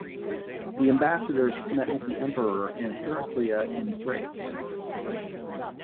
The ambassadors met with the emperor in Heraclea in Thrace.